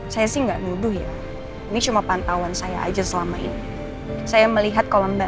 saya sih enggak nuduh ya ini cuma pantauan saya aja selama ini saya melihat kalau mbak